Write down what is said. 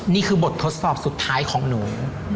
นี่คือบททดสอบสุดท้ายของหนู